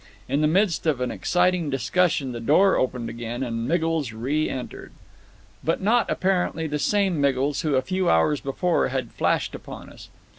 In the midst of an exciting discussion the door opened again, and Miggles re entered. But not, apparently, the same Miggles who a few hours before had flashed upon us.